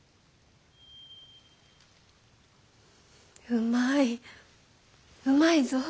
うまいうまいぞ。